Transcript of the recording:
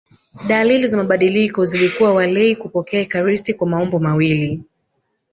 Dalili za mabadiliko zilikuwa walei kupokea ekaristi kwa maumbo mawili